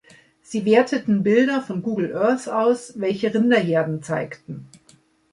Sie werteten Bilder von Google Earth aus, welche Rinderherden zeigten.